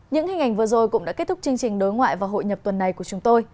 những hình ảnh vừa rồi cũng đã kết thúc chương trình đối ngoại và hội nhập tuần này của chúng tôi